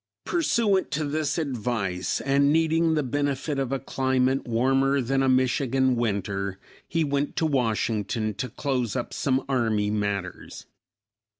Pursuant to this advice, and needing the benefit of a climate warmer than a Michigan winter, he went to Washington to close up some army matters.